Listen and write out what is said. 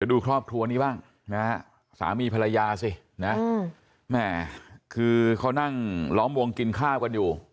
ดูครอบครัวนี้บ้างนะฮะสามีภรรยาสินะแม่คือเขานั่งล้อมวงกินข้าวกันอยู่